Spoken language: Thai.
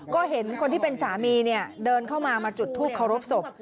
ก็เห็นคนที่เป็นสามีเนี่ยเดินเข้ามามาจุดทูปเคารพศพ